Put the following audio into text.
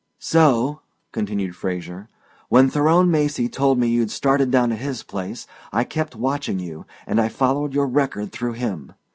"So," continued Fraser, "when Theron Macy told me you'd started down at his place, I kept watching you, and I followed your record through him.